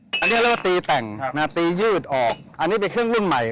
อันนี้เรียกว่าตีแต่งตียืดออกอันนี้เป็นเครื่องรุ่นใหม่